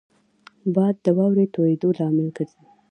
باد د واورې تویېدو لامل ګرځي